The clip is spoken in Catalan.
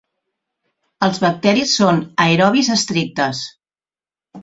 Els bacteris són aerobis estrictes.